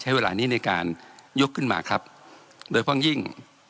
ใช้เวลานี้ในการยกขึ้นมาครับโดยเพราะยิ่ง